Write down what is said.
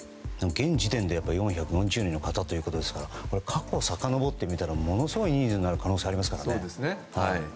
現時点で４４０人の方ということですから過去をさかのぼってみたらものすごい人数になる可能性がありますね。